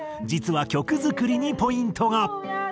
実は曲作りにポイントが。